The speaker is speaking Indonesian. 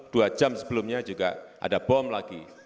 dua jam sebelumnya juga ada bom lagi